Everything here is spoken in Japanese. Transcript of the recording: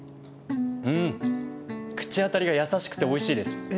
口当たりが優しくておいしいです。